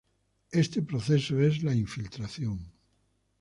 Este proceso es la infiltración.